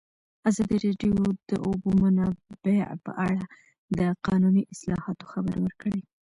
ازادي راډیو د د اوبو منابع په اړه د قانوني اصلاحاتو خبر ورکړی.